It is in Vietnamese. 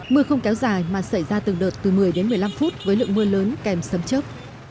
mưa không kéo dài mà xảy ra từng đợt từ một mươi đến một mươi năm phút với lượng mưa lớn kèm sấm chấp